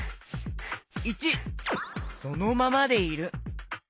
①そのままでいる。